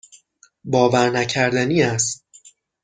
باورنکردنی است.